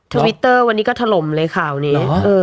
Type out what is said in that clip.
ทวิตเตอร์วันนี้ก็ถล่มเลยข่าวนี้